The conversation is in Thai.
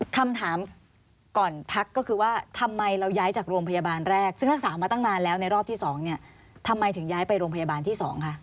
คำถามก่อนพักก็คือว่าทำไมเราย้ายจากโรงพยาบาลแรกซึ่งรักษามาตั้งนานแล้วในรอบที่๒เนี่ยทำไมถึงย้ายไปโรงพยาบาลที่๒คะ